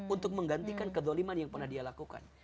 untuk menggantikan kedoliman yang pernah dia lakukan